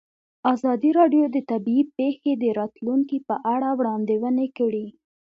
ازادي راډیو د طبیعي پېښې د راتلونکې په اړه وړاندوینې کړې.